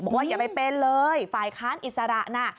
บอกว่าอย่าไปเป็นเลยฝ่ายค้านอิสระนะ